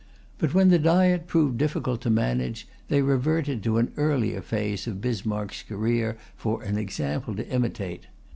But when the Diet proved difficult to manage, they reverted to an earlier phase of Bismarck's career for an example to imitate.